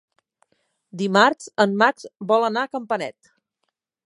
Dimarts en Max vol anar a Campanet.